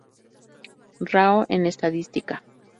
Rao en Estadística.